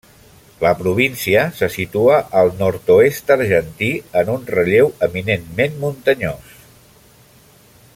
La província se situa al nord-oest argentí, en un relleu eminentment muntanyós.